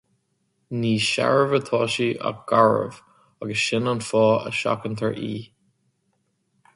Ní searbh atá sí ach garbh agus sin an fáth a seachantar í